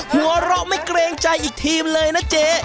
หัวเราะไม่เกรงใจอีกทีมเลยนะเจ๊